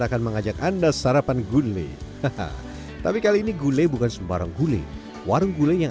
akan mengajak anda sarapan gule hahaha tapi kali ini gule bukan sembarang hule warung gule yang